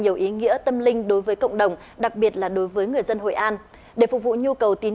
nhiều ý nghĩa tâm linh đối với cộng đồng đặc biệt là đối với người dân hội an để phục vụ nhu cầu tin